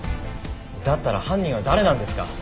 だったら犯人は誰なんですか？